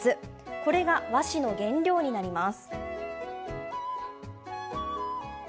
これが和紙の原料となります。